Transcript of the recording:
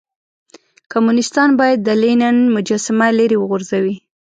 کمونيستان بايد د لينن مجسمه ليرې وغورځوئ.